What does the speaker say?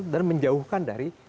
dan menjauhkan dari